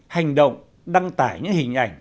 hành động đăng tải những hình ảnh